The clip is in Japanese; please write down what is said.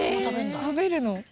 食べるの？